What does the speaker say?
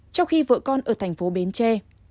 trong khi vợ con ở thành phố bến tre